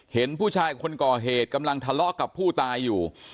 เห็นผู้ชายคนก่อเหตุกำลังทะเลาะกับผู้ตายอยู่